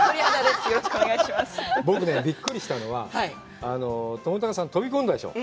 僕ね、びっくりしたのは、知高さん、飛び込んだでしょう。